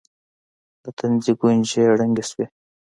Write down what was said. د تندي گونځې يې ړنګې سوې.